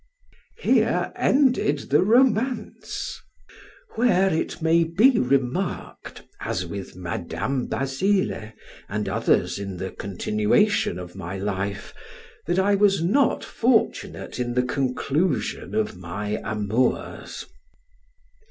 Here ended the romance; where it may be remarked (as with Madam Basile, and others in the continuation of my life) that I was not fortunate in the conclusion of my amours.